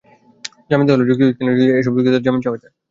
জামিন দেওয়া হলে তিনি পালাবেন না, এসব যুক্তিতে জামিন চাওয়া হয়।